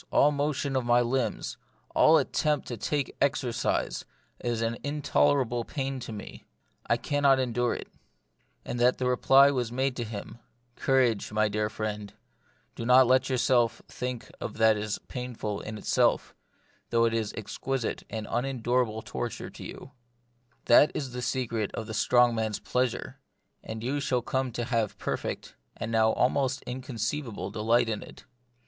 all motion of my limbs, all attempt to take exercise, is an intolerable pain to me ; I cannot endure it;" and that the reply was made to him, " Courage, my dear friend ; do not let your self think of that as painful in itself, though it is exquisite and unendurable torture to you : that is the secret of the strong man's pleasure, and you shall come to have perfect and now almost inconceivable delight in it.